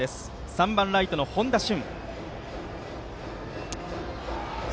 ３番、ライトの本多駿。